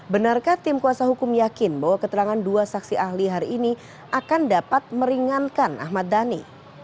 benarkah tim kuasa hukum yakin bahwa keterangan dua saksi ahli hari ini akan dapat meringankan ahmad dhani